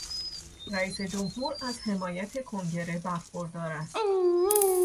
رئیس جمهور از حمایت کنگره برخوردار است.